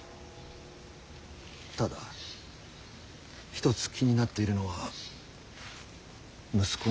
ただ一つ気になっているのは息子の清宗。